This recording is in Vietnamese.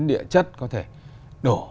địa chất có thể đổ